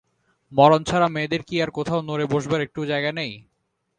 মরণ ছাড়া মেয়েদের কি আর কোথাও নড়ে বসবার একটুও জায়গা নেই?